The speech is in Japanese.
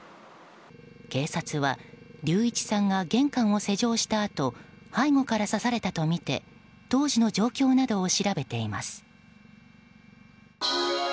警察は隆一さんが玄関を施錠したあと背後から刺されたとみて当時の状況などを調べています。